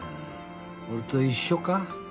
俺と一緒か。